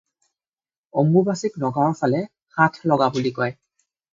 "অম্বুবাচী"ক নগাঁৱৰ ফালে "ষাঁঠ-লগা" বুলি কয়।